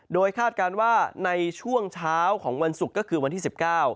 โดยคาดการณ์ว่าในช่วงเช้าของวันศุกร์ก็คือวันที่สิบเก้า